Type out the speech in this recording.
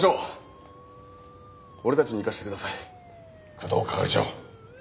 工藤係長。